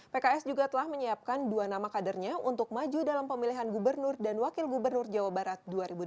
pks juga telah menyiapkan dua nama kadernya untuk maju dalam pemilihan gubernur dan wakil gubernur jawa barat dua ribu delapan belas